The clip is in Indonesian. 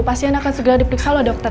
pasien akan segera diperiksa loh dokter